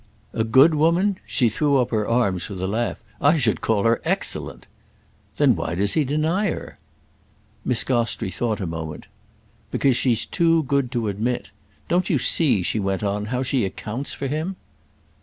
"A good woman?" She threw up her arms with a laugh. "I should call her excellent!" "Then why does he deny her?" Miss Gostrey thought a moment. "Because she's too good to admit! Don't you see," she went on, "how she accounts for him?"